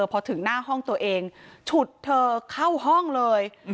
พอถึงหน้าห้องตัวเองฉุดเธอเข้าห้องเลย